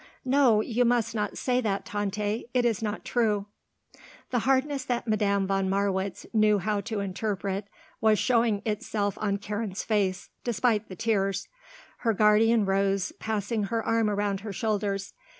"No, you must not say that, Tante. It is not true." The hardness that Madame von Marwitz knew how to interpret was showing itself on Karen's face, despite the tears. Her guardian rose, passing her arm around her shoulders.